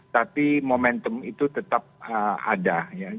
tapi momentum itu tetap ada